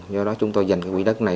do đó chúng tôi dành cái quỹ đất này